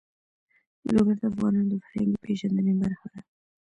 لوگر د افغانانو د فرهنګي پیژندنې برخه ده.